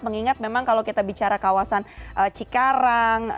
mengingat memang kalau kita bicara kawasan cikarang